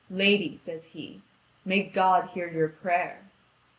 "Lady," says he, "may God hear your prayer."